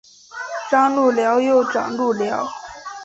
张路寮又掌路寮。